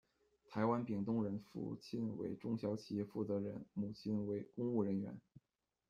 台湾屏东人，父亲为中小企业负责人，母亲为公务人员。